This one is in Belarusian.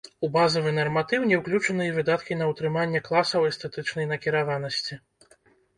У базавы нарматыў не ўключаны і выдаткі на ўтрыманне класаў эстэтычнай накіраванасці.